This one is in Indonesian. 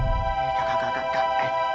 kak kak kak kak